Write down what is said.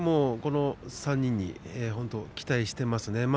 この３人に期待していますね。